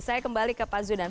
saya kembali ke pak zudan